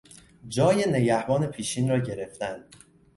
جای نگهبان پیشین را گرفتن